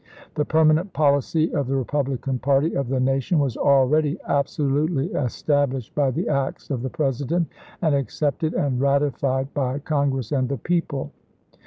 The permanent policy of the Eepublican party of the nation was already absolutely established by the acts of the President and accepted and ratified by Congress and the people.